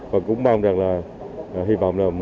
và cũng mong rằng là hy vọng là